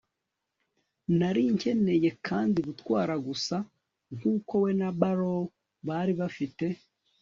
nari nkeneye kandi gutwara gusa, nkuko we na barrow bari bafite